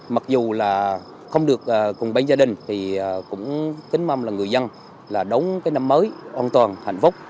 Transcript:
mặc dù là không được cùng bên gia đình thì cũng kính mong là người dân là đón cái năm mới an toàn hạnh phúc